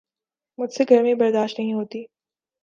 مجھ سے گرمی برداشت نہیں ہوتی